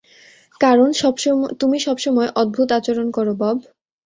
কারণ তুমি সবসময় অদ্ভূত আচরণ করো, বব।